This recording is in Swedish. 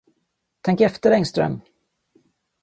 Tänk efter, Engström!